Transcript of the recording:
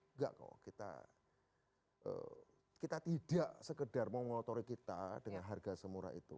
enggak kok kita tidak sekedar mengotori kita dengan harga semurah itu